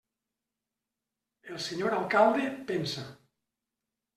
El senyor alcalde pensa.